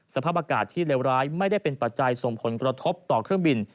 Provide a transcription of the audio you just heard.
สภาพอากาศที่เลวร้ายไม่ได้เป็นปัจจัยส่งผลกระทบต่อเครื่องบิน